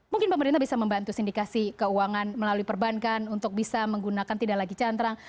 mungkin pemerintah bisa membantu sindikasi keuangan melalui perbankan untuk bisa menggunakan tidak lagi cantrang